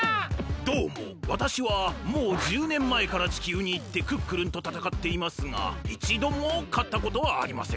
どうもわたしはもう１０年前から地球にいってクックルンとたたかっていますがいちどもかったことはありません。